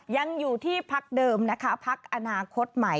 ยังอยู่ที่พักเดิมนะคะพักอนาคตใหม่